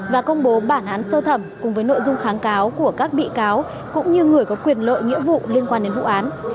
và công bố bản án sơ thẩm cùng với nội dung kháng cáo của các bị cáo cũng như người có quyền lợi nghĩa vụ liên quan đến vụ án